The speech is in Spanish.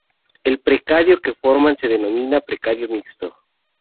El predicado que forman se denomina predicado mixto.